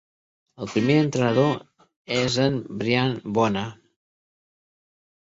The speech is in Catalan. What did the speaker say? El primer entrenador és en Brian Vona.